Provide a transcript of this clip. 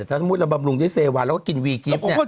ถ้าสมมุติเราบำรุงด้วยเซวาแล้วก็กินวีกิฟต์เนี่ย